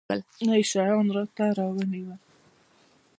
نه يې شيان راته رانيول.